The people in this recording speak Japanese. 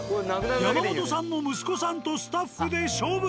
山本さんの息子さんとスタッフで処分。